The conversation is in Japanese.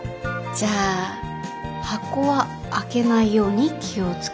じゃあ箱は開けないように気を付けます